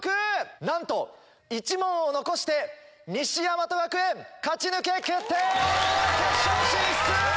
なんと１問を残して西大和学園勝ち抜け決定！